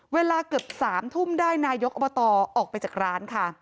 เวลาเกือบ๓ทุ่มได้นายกอบตออกไปจากร้านค่ะ